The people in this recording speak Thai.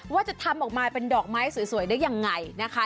ว่าจะทำออกมาเป็นดอกไม้สวยได้ยังไงนะคะ